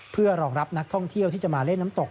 เพื่อรองรับนักท่องเที่ยวที่จะมาเล่นน้ำตก